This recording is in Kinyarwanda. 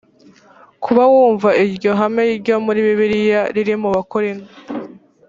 kuba wumva iryo hame ryo muri bibiliya riri mu abakorinto